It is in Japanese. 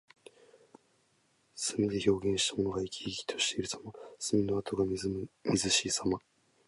墨で表現したものが生き生きしているさま。墨の跡がみずみずしいさま。